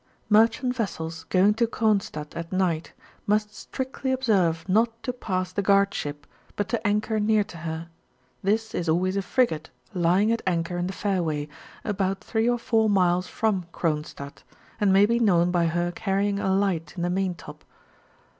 MEBCHANT YESSELS ffoing to Cronstadt at night, must strictly observe not to pass the guard ship, but to andior near to her: this is always a frigate, lying at anchor m the faurway,. about 3 qr 4 miles from Cronstadt, and may be known by her carrying a light in the main top.